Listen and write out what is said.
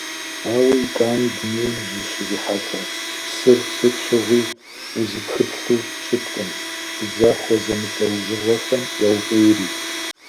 Ауэ итӀани дунейм узыщрихьэлӀэ псыр сыт щыгъуи узыпхыплъу щыткъым, пыдзахуэ зэмылӀэужьыгъуэхэм яуфӀейри.